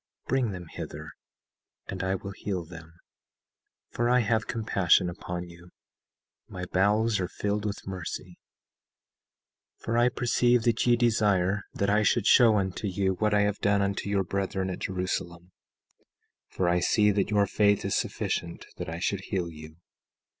Bring them hither and I will heal them, for I have compassion upon you; my bowels are filled with mercy. 17:8 For I perceive that ye desire that I should show unto you what I have done unto your brethren at Jerusalem, for I see that your faith is sufficient that I should heal you.